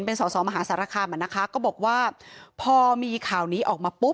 เป็นสอสอมหาสารคามอ่ะนะคะก็บอกว่าพอมีข่าวนี้ออกมาปุ๊บ